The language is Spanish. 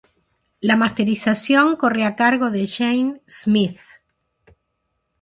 La masterización corre a cargo de Shane Smith.